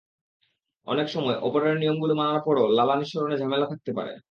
অনেক সময় ওপরের নিয়মগুলো মানার পরও লালা নিঃসরণে ঝামেলা থাকতে পারে।